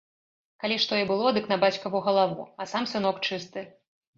Калі што і было, дык на бацькаву галаву, а сам сынок чысты.